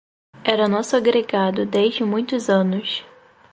Era nosso agregado desde muitos anos